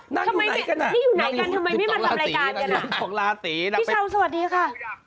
นั่งอยู่ไหนกันอ่ะนั่ง๖๒ลาสีแล้วนั่ง๖๒ลาสีนะพี่เช๒๐๐๙สวัสดีค่ะ